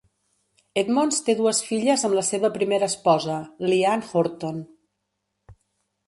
Edmonds té dues filles amb la seva primera esposa, Lee Ann Horton.